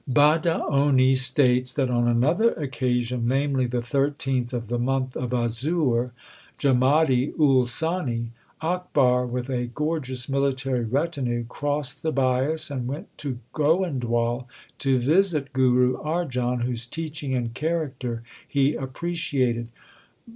Badaoni states that on another occasion, namely, the thirteenth of the month of Azur (Jamadi ul sani), Akbar, with a gorgeous military retinue, crossed the Bias and went to Goindwal to visit Guru Arjan, whose teaching and character he appreciated.